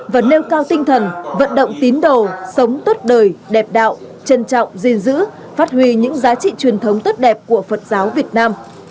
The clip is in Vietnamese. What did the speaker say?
và nêu cao tinh thần vận động tín đồ sống tốt đời đẹp đạo trân trọng gìn giữ phát huy những giá trị truyền thống tốt đẹp của phật giáo việt nam